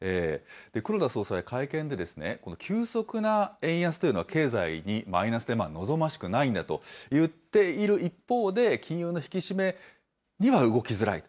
黒田総裁、会見でこの急速な円安というのは、経済にマイナスで望ましくないんだと言っている一方で、金融の引き締めには動きづらい。